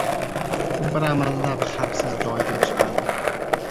U bir amallab xavfsiz joyga chiqadi.